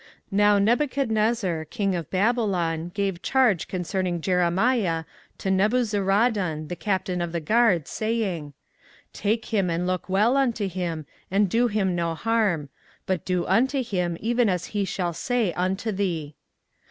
24:039:011 Now Nebuchadrezzar king of Babylon gave charge concerning Jeremiah to Nebuzaradan the captain of the guard, saying, 24:039:012 Take him, and look well to him, and do him no harm; but do unto him even as he shall say unto thee.